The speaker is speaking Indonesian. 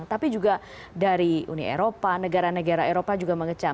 tapi juga dari uni eropa negara negara eropa juga mengecam